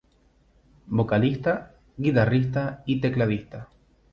Vocalista, guitarrista y tecladista.